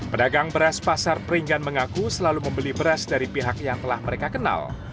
pedagang beras pasar peringgan mengaku selalu membeli beras dari pihak yang telah mereka kenal